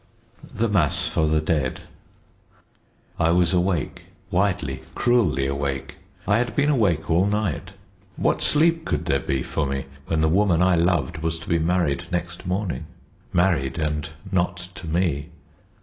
THE MASS FOR THE DEAD. I was awake widely, cruelly awake. I had been awake all night; what sleep could there be for me when the woman I loved was to be married next morning married, and not to me?